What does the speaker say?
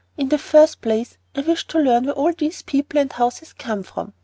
"In the first place I wish to learn where all these people and houses come from.